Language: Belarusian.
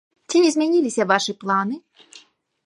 Ці не змяніліся вашы планы?